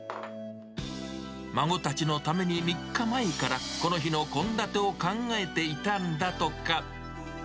孫たちのために３日前から、この日の献立を考えていたんだとか。